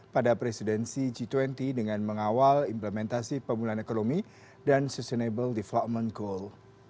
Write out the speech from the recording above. pada presidensi g dua puluh dengan mengawal implementasi pemulihan ekonomi dan sustainable development goal